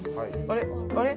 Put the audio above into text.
あれ？